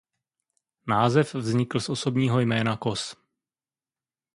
Název vznikl z osobního jména Kos.